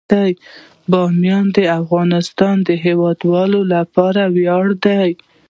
بامیان د افغانستان د هیوادوالو لپاره ویاړ دی.